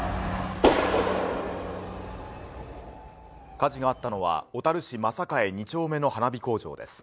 火事があったのは小樽市真栄２丁目の花火工場です。